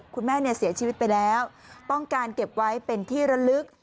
คุณแม่เสียชีวิตไปแล้วต้องการเก็บไว้เป็นที่ระลึก